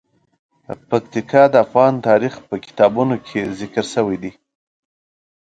پکتیکا د افغان تاریخ په کتابونو کې ذکر شوی دي.